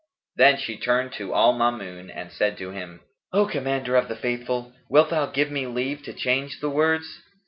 Then she turned to al Maamun and said to him, "O Commander of the Faithful, wilt thou give me leave to change the words?"